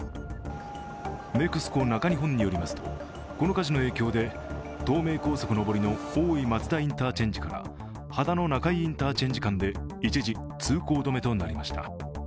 ＮＥＸＣＯ中日本によりますとこの火事の影響で東名高速上りの大井松田インターチェンジから秦野中井インターチェンジ間で一時通行止めとなりました。